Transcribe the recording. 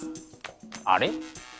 あれ？